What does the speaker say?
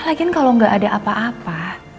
lagian kalau gak ada apa apa